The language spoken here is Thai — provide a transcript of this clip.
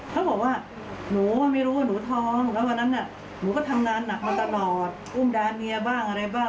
เขาบอกว่าหนูไม่รู้ว่าหนูท้องแล้ววันนั้นน่ะหนูก็ทำงานหนักมาตลอดอุ้มดาเมียบ้างอะไรบ้าง